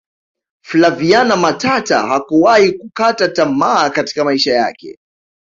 flaviana matata hakuwahi kutaa tamaa katika maisha yake